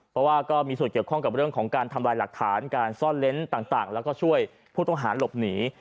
เพราะว่าก็มีส่วนเกี่ยวข้องกับเรื่องของการทำลายหลักฐานการซ่อนเล้นต่างแล้วก็ช่วยผู้ต้องหาหลบหนี